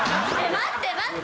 待って待って。